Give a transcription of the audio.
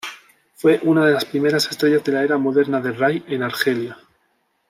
Fue una de las primeras estrellas de la era moderna de Rai en Argelia.